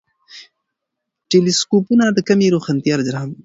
ټیلېسکوپونه د کمې روښانتیا اجرام کشفوي.